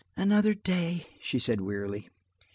"Another day!" she said wearily.